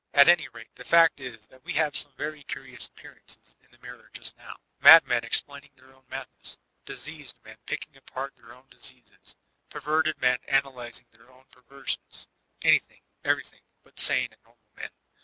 At any rate, the fact is that we have some very cmioos appearances in the Mirror just now ; madmen explaining their own madness, diseased men picking apart their own diseases, perverted men analyzing their own perversioos, anything, everything but sane and normal men.